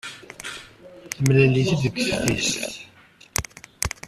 Temlal-it-id deg teftist.